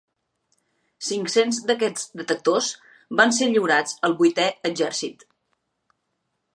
Cinc-cents d'aquests detectors van ser lliurats al Vuitè Exèrcit.